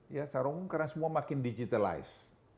ya secara umum karena semua makin digitalized